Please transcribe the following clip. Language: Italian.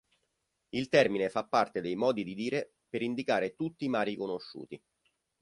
Il termine fa parte dei modi di dire per indicare tutti i mari conosciuti.